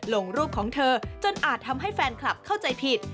ลงรูปของเธอจนอาจทำให้แฟนคลับเข้าใจผิด